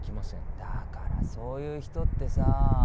だからそういう人ってさぁ。